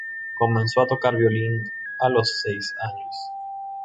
Comenzó a tocar el violín a los seis años.